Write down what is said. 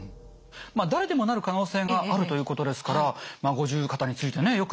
まあ誰でもなる可能性があるということですから五十肩についてね